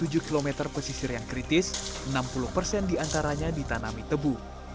dari tiga puluh tujuh kilometer pesisir yang kritis enam puluh persen diantaranya ditanami tebu